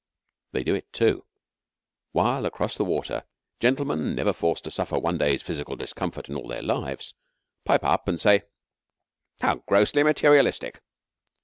They do it too, while, across the water, gentlemen, never forced to suffer one day's physical discomfort in all their lives, pipe up and say, 'How grossly materialistic!'